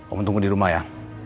om tunggu dirumah ya